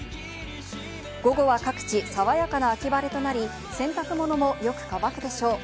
午後は各地、爽やかな秋晴れとなり、洗濯物もよく乾くでしょう。